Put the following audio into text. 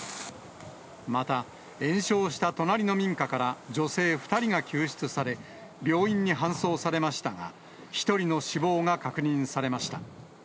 また、延焼した隣の民家から女性２人が救出され、病院に搬送されましたが、１人の死亡が確認されました。